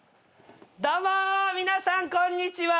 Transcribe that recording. どうも皆さんこんにちは。